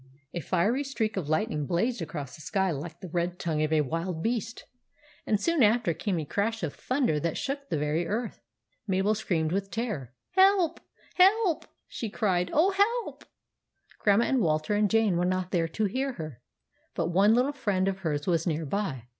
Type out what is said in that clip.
A fiery streak of lightning blazed across the sky like the red tongue of a wild beast, and soon after came a crash of thunder that shook the very earth. Mabel screamed with terror. " Help ! Help !" she cried. " Oh, help !" Grandma and Walter and Jane were not there to hear her; but one little friend of hers was near by.